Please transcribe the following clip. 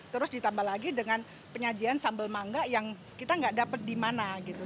terus ditambah lagi dengan penyajian sambal mangga yang kita nggak dapat di mana gitu